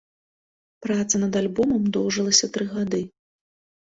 Праца над альбомам доўжылася тры гады.